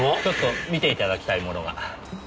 ちょっと見て頂きたいものが。